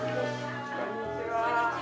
こんにちは。